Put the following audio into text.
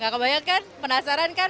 gak kebanyakan penasaran kan